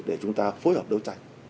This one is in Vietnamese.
để chúng ta phối hợp đấu tranh